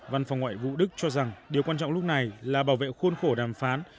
văn phòng ngoại vụ đức cho rằng điều quan trọng lúc này là bảo vệ khuôn khổ đàm phán